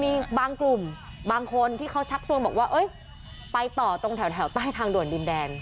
มีบางกลุ่มบางคนที่เขาชักชวนบอกว่าไปต่อตรงแถวใต้ทางด่วนดินแดน